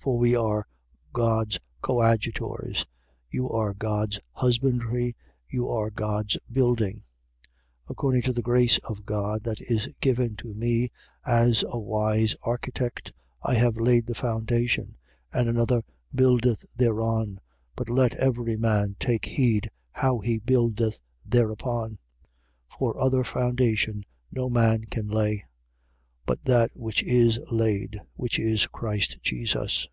3:9. For we are God's coadjutors. You are God's husbandry: you are God's building. 3:10. According to the grace of God that is given to me, as a wise architect, I have laid the foundation: and another buildeth thereon. But let every man take heed how he buildeth thereupon. 3:11. For other foundation no man can lay, but that which is laid: which is Christ Jesus.